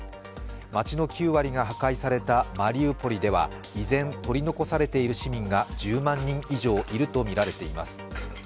街の９割が破壊されたマリウポリでは依然取り残されている市民が１０万人以上いるとみられています。